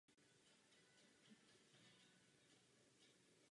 Jeho úkolem bylo zejména dosažení jižního magnetického pólu.